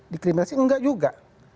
dikriminalisasi enggak juga